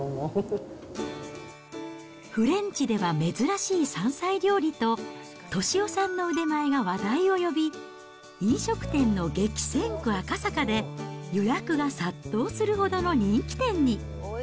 フレンチでは珍しい山菜料理と、俊雄さんの腕前が話題を呼び、飲食店の激戦区、赤坂で、予約が殺到するほどの人気店に。